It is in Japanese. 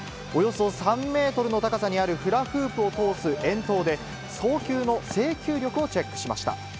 およそ３メートルの高さにあるフラフープを通す遠投で、送球の制球力をチェックしました。